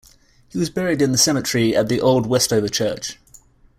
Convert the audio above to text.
He was buried in the cemetery at the old Westover Church.